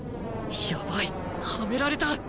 やばいはめられた！